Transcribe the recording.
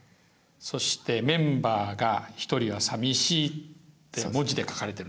そして「メンバーが一人はさみしい」って文字で書かれてるんだね。